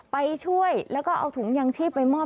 ไปช่วยแล้วก็เอาถุงยางชีพไปมอบ